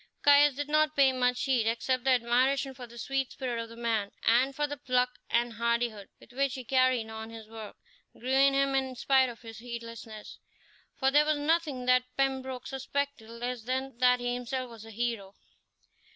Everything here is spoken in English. Caius did not pay much heed, except that admiration for the sweet spirit of the man and for the pluck and hardihood with which he carried on his work, grew in him in spite of his heedlessness, for there was nothing that Pembroke suspected less than that he himself was a hero.